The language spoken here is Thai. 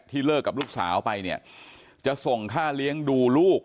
เลิกกับลูกสาวไปเนี่ยจะส่งค่าเลี้ยงดูลูก